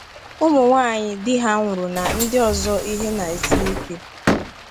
ụmụnwaanyị di ha nwụrụ na ndị ọzọ ihe na-esiri ike.